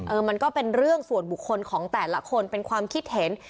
มันก็เป็นเรื่องส่วนบุคคลของแต่ละคนเป็นความคิดเห็น